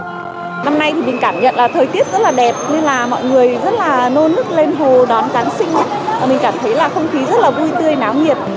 năm nay thì mình cảm nhận là thời tiết rất là đẹp nên là mọi người rất là nôn nức lên hồ đón giáng sinh mình cảm thấy là không khí rất là vui tươi náo nhiệt